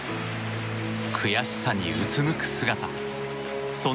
悔しさにうつむく姿も。